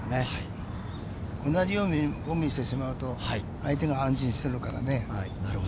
同じようにボギーしてしまうと、相手が安心するからね。